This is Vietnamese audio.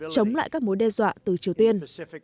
chống lại các mối đe dọa từ triều tiên